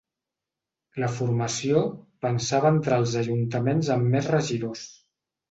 La formació pensava entrar als ajuntaments amb més regidors